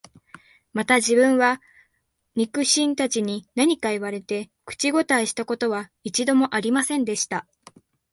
また自分は、肉親たちに何か言われて、口応えした事は一度も有りませんでした